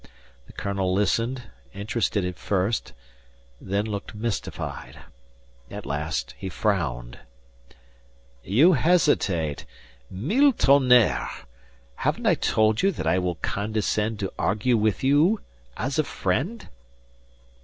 The colonel listened interested at first, then looked mystified. At last he frowned. "You hesitate mille tonerres! Haven't I told you that I will condescend to argue with you as a friend?"